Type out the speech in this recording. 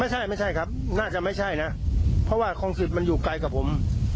ไม่ใช่ไม่ใช่ครับน่าจะไม่ใช่นะเพราะว่าคลอง๑๐มันอยู่ไกลกับผม